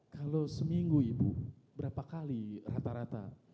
kalau seminggu ibu berapa kali rata rata